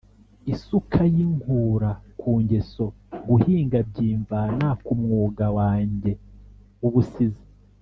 isuka yinkura ku ngeso: guhinga byimvana ku mwuga wange (w’ubusizi)